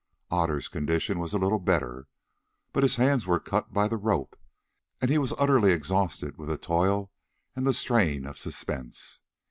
Otter's condition was a little better, but his hands were cut by the rope and he was utterly exhausted with toil and the strain of suspense.